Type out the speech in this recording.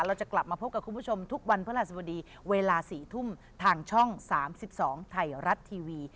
เราจะกลับมาพบกับคุณผู้ชมทุกวันพระราชบดีเวลา๔ทุ่มทางช่อง๓๒ไทยรัฐทีวี